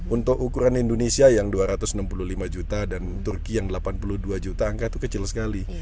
untuk ukuran indonesia yang dua ratus enam puluh lima juta dan turki yang delapan puluh dua juta angka itu kecil sekali